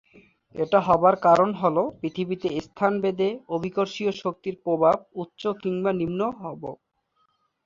এটা হবার কারণ হল, পৃথিবীতে স্থানভেদে অভিকর্ষীয় শক্তির প্রভাব উচ্চ কিংবা নিম্ন হব।